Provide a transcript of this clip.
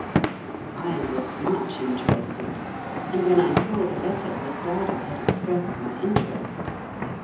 I was much interested, and when I saw the letter was glad I had expressed my interest.